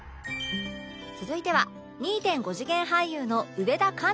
続いては ２．５ 次元俳優の上田堪大さん